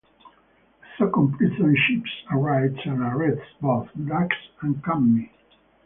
A second prison ship arrives and arrests both Drax and Cammi.